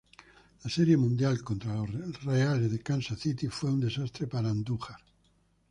La "Serie Mundial" contra los Reales de Kansas City fue un desastre para "Andújar".